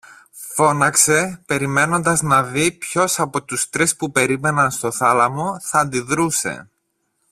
φώναξε, περιμένοντας να δει ποιος από τους τρεις που περίμεναν στο θάλαμο θα αντιδρούσε